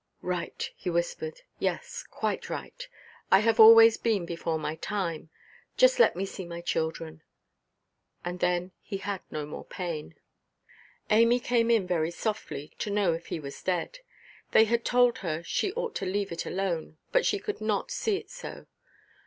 "Right," he whispered, "yes, quite right. I have always been before my time. Just let me see my children." And then he had no more pain. Amy came in very softly, to know if he was dead. They had told her she ought to leave it alone, but she could not see it so.